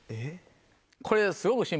これ。